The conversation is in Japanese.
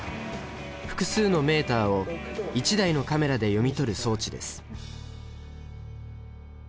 複数のメータを１台のカメラで読み取る装置です。